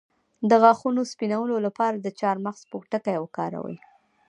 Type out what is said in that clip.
د غاښونو سپینولو لپاره د چارمغز پوستکی وکاروئ